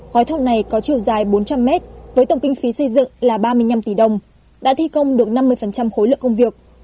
gói thầu này có chiều dài bốn trăm linh mét với tổng kinh phí xây dựng là ba mươi năm tỷ đồng đã thi công được năm mươi khối lượng công việc